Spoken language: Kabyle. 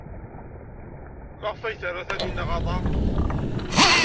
Maɣef ay terra Taninna aḍar?